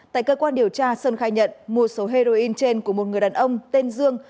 tại cơ quan điều tra sơn khai nhận mua số heroin trên của một người đàn ông tên dương